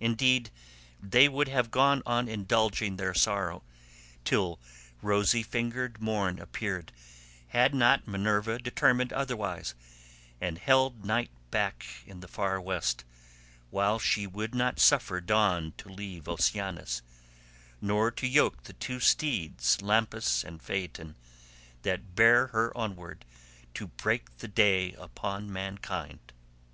Indeed they would have gone on indulging their sorrow till rosy fingered morn appeared, had not Minerva determined otherwise, and held night back in the far west, while she would not suffer Dawn to leave Oceanus, nor to yoke the two steeds Lampus and Phaethon that bear her onward to break the day upon mankind.